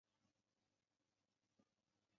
土岐赖元是土岐赖艺的四男。